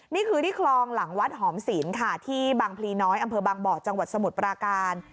นี่คือที่คลองหลังวัดหอมศีลค่ะที่บางพลีน้อยอำเภอบางบ่อจังหวัดสมุทรปราการ